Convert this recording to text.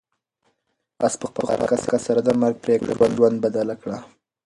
آس په خپل حرکت سره د مرګ پرېکړه په ژوند بدله کړه.